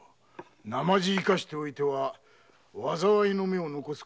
なまじ生かしておいては災いの芽を残すことになる。